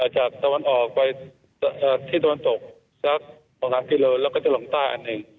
จากสวรรค์ออกไปที่สวรรค์ตกสัก๒๓กิโลกรัมแล้วก็จะลงใต้อันหนึ่ง